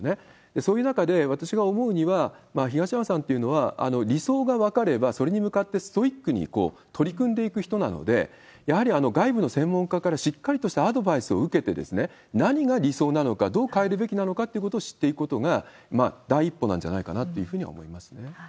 そういう中で私が思うには、東山さんというのは、理想が分かれば、それに向かってストイックに取り組んでいく人なので、やはり外部の専門家らしっかりとしたアドバイスを受けて、何が理想なのか、どう変えるべきなのかっていうことを知っていくことが、第一歩なんじゃないかなというふうには思いますね。